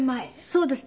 そうです。